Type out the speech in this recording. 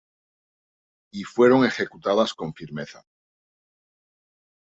Y fueron ejecutadas con firmeza.